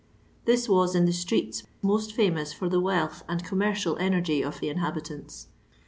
Thii was in the streets most foroous for the wealth and commercial energy of the inhabitants.